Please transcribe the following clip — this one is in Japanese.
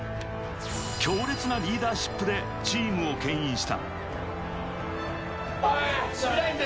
強烈なリーダーシップでチームをけん引した。